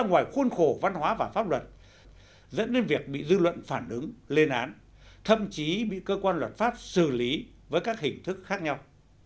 ngoài khuôn khổ văn hóa và pháp luật dẫn đến việc bị dư luận phản ứng lên án thậm chí bị cơ quan luật pháp xử lý với các hình thức khác nhau